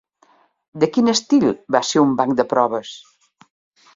De quin estil va ser un banc de proves?